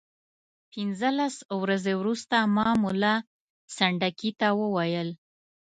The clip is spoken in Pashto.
پنځلس ورځې وروسته ما ملا سنډکي ته وویل.